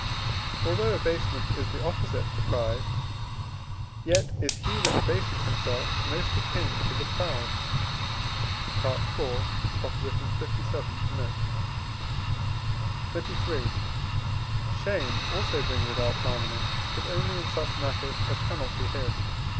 Although abasement is the opposite to pride, yet is he that abases himself most akin to the proud (IV. lvii. note). XXIII. Shame also brings about harmony, but only in such matters as cannot be hid.